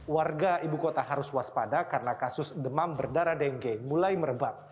warga ibu kota harus waspada karena kasus demam berdarah dengue mulai merebak